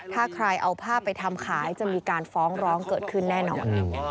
ถ้าใครเอาภาพไปทำขายจะมีการฟ้องร้องเกิดขึ้นแน่นอน